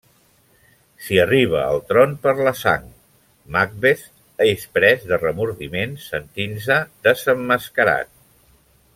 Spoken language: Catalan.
Si arriba al tron per la sang, Macbeth és pres de remordiment sentint-se desemmascarat.